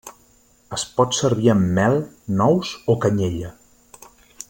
Es pot servir amb mel, nous o canyella.